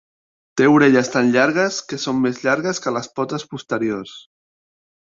Té orelles tan llargues que són més llargues que les potes posteriors.